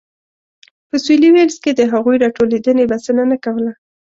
په سوېلي ویلز کې د هغوی راټولېدنې بسنه نه کوله.